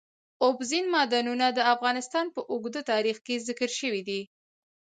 اوبزین معدنونه د افغانستان په اوږده تاریخ کې ذکر شوی دی.